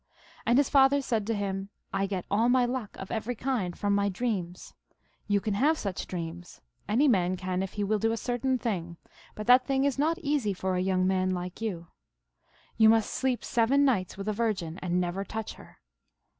And his father said to him, I get all my luck of every kind from my dreams. You can have such dreams ; any man can, if he will do a certain thing ; but that thing is not easy for a young man like you. You must sleep seven nights with a virgin, and never touch her.